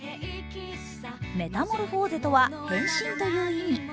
メタモルフォーゼとは変身という意味。